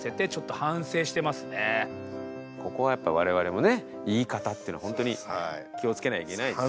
ここはやっぱ我々もね言い方というのを本当に気をつけなきゃいけないですよ。